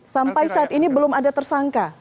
sampai saat ini belum ada tersangka